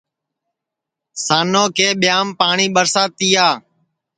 سانو کے ٻیاںٚم پاٹؔی ٻرسا تیا